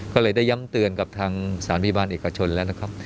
ก็เลยได้ย้ำเตือนกับทางสถานพยาบาลเอกชนแล้วนะครับ